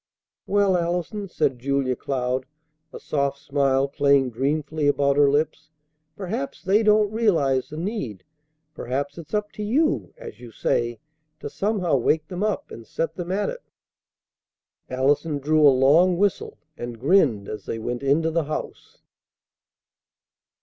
"Well, Allison," said Julia Cloud, a soft smile playing dreamfully about her lips, "perhaps they don't realize the need. Perhaps it's 'up to you,' as you say, to somehow wake them up and set them at it." Allison drew a long whistle and grinned as they went into the house.